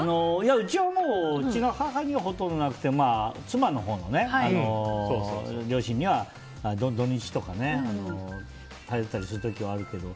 うちはうちの母じゃなくて妻のほうの両親には土日とか頼ったりする時はあるけど。